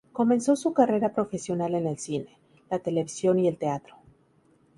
Comenzó su carrera profesional en el cine, la televisión y el teatro.